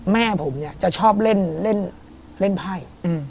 แม่ผมเนี่ยจะชอบเล่นไพ่